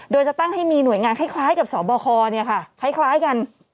โดยจะตั้งให้มีหน่วยงานคล้ายกับสบคคล้ายกัน